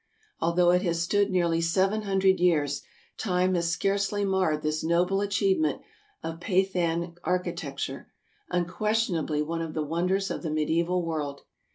Although it has stood nearly seven hundred years, time has scarcely marred this noble achievement of Pathan architecture, unquestionably one of the wonders of the mediaeval world.